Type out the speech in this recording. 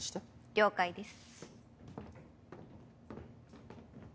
了解です。